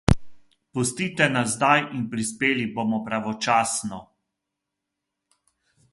Pustite nas zdaj in prispeli bomo pravočasno.